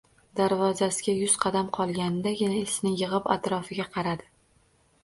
Darvozasiga yuz qadam qolgandagina, esini yig‘ib atrofiga qaradi